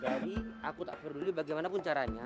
jadi aku tak peduli bagaimanapun caranya